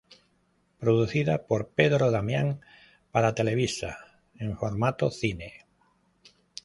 Producida por Pedro Damián para Televisa en formato cine.